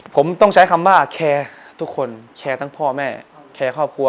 ผมต้องใช้คำว่าแคร์ทุกคนแชร์ทั้งพ่อแม่แชร์ครอบครัว